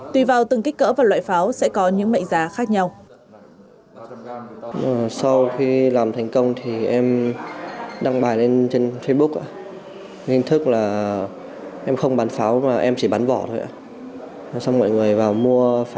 tùy vào từng kích cỡ và loại pháo sẽ có những mệnh giá khác nhau